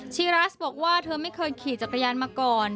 ีรัสบอกว่าเธอไม่เคยขี่จักรยานมาก่อน